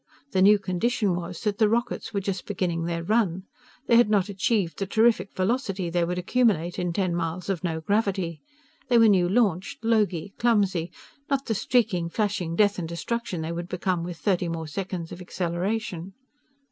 The new condition was that the rockets were just beginning their run. They had not achieved the terrific velocity they would accumulate in ten miles of no gravity. They were new launched; logy: clumsy: not the streaking, flashing death and destruction they would become with thirty more seconds of acceleration.